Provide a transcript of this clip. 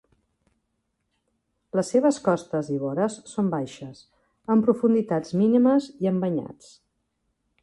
Les seves costes i vores són baixes, amb profunditats mínimes i amb banyats.